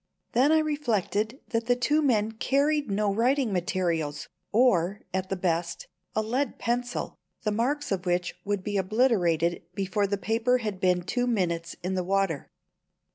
Then I reflected that the two men carried no writing materials, or, at the best, a lead pencil, the marks of which would be obliterated before the paper had been two minutes in the water.